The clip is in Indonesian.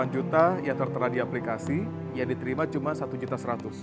satu delapan juta yang tertera di aplikasi yang diterima cuma satu juta seratus